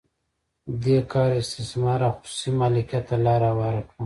دې کار استثمار او خصوصي مالکیت ته لار هواره کړه.